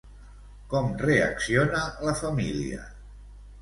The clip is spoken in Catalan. Com reacciona la família?